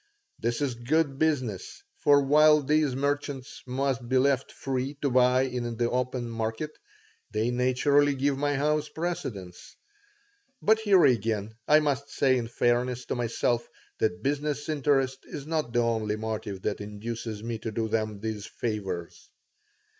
This is good business, for while these merchants must be left free to buy in the open market, they naturally give my house precedence. But here again I must say in fairness to myself that business interest is not the only motive that induces me to do them these favors.